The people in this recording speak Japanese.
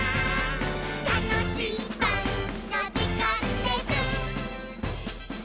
「たのしいパンのじかんです！」